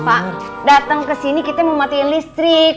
pak dateng kesini kita mau matiin listrik